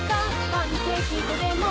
パンケーキ後でも」